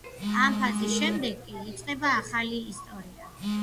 ამ ფაზის შემდეგ კი, იწყება ახალი ისტორია.